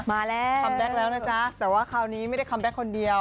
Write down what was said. มาแล้วคัมแบ็คแล้วนะจ๊ะแต่ว่าคราวนี้ไม่ได้คัมแบ็คคนเดียว